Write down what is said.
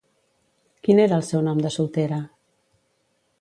Quin era el seu nom de soltera?